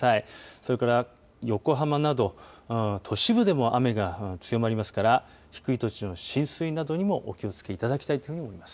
それから横浜など都市部でも雨が強まりますから低い土地の浸水などにもお気を付けいただきたいと思います。